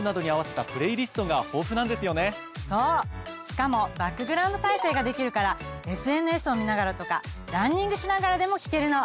しかもバックグラウンド再生ができるからＳＮＳを見ながらとかランニングしながらでも聞けるの。